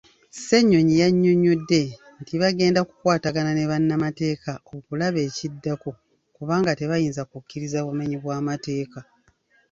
Ssenyonyi yannyonnyodde nti bagenda kukwatagana ne bannamateeka okulaba ekiddako kubanga tebayinza kukkiriza bumenyi bwamateeka.